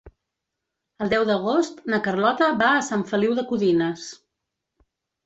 El deu d'agost na Carlota va a Sant Feliu de Codines.